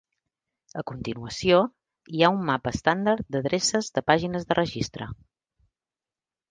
A continuació, hi ha un mapa estàndard d'adreces de pàgines de registre.